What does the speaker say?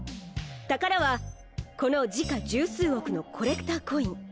宝はこの時価１０数億のコレクターコイン。